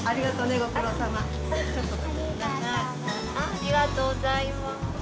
ありがとうございます。